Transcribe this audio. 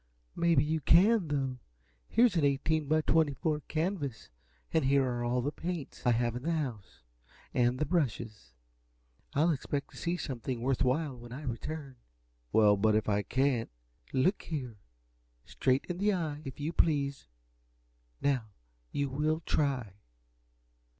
"Maybe you can, though. Here's an eighteen by twenty four canvas, and here are all the paints I have in the house, and the brushes. I'll expect to see something worth while, when I return." "Well, but if I can't " "Look here. Straight in the eye, if you please! Now, will you TRY?"